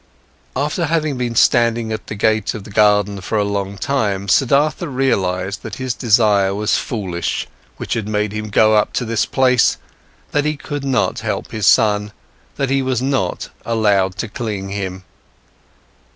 After having been standing by the gate of the garden for a long time, Siddhartha realised that his desire was foolish, which had made him go up to this place, that he could not help his son, that he was not allowed to cling to him.